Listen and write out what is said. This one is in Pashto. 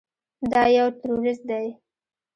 دا يو ټروريست دى.